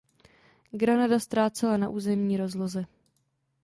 Granada ztrácela na územní rozloze.